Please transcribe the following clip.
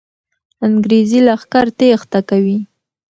انګریزي لښکر تېښته کوي.